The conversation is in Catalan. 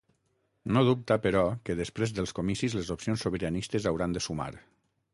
No dubta, però, que després dels comicis les opcions sobiranistes hauran de sumar.